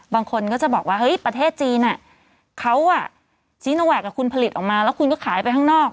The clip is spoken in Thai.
บางคนก็จะบอกว่าเฮ้ยประเทศจีนเขาซีโนแวคคุณผลิตออกมาแล้วคุณก็ขายไปข้างนอก